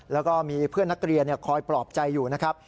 แล้วก็มีเพื่อนนักเรียนคอยปลอบใจอยู่นะครับ